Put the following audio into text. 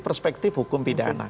perspektif hukum pidana